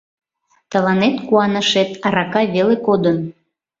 Тыланет куанашет арака веле кодын!